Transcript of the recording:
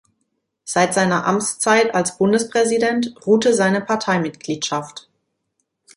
Seit seiner Amtszeit als Bundespräsident ruhte seine Parteimitgliedschaft.